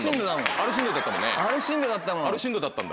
アルシンドだったもん。